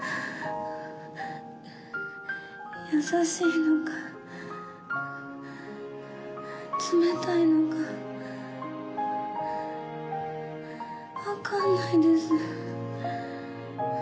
優しいのか冷たいのか分かんないです。